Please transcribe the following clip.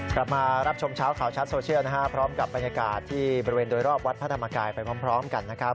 กลับมารับชมเช้าข่าวชัดโซเชียลนะฮะพร้อมกับบรรยากาศที่บริเวณโดยรอบวัดพระธรรมกายไปพร้อมกันนะครับ